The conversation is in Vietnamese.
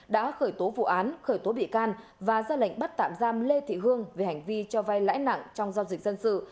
đã khởi tố vụ án khởi tố bị can và ra lệnh bắt tạm giam lê thị hương về hành vi cho vai lãi nặng trong giao dịch dân sự